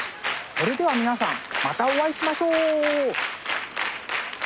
それでは皆さんまたお会いしましょう。